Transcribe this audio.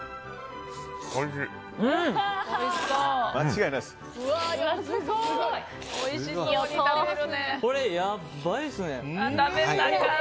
おいしい。